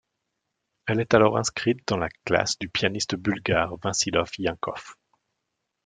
Elle est alors inscrite dans la classe du pianiste bulgare Vensislav Yankoff.